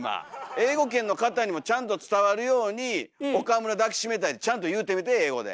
英語圏の方にもちゃんと伝わるように「岡村抱き締めたい」ってちゃんと言うてみて英語で。